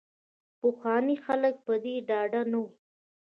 پخواني خلک په دې ډاډه نه وو.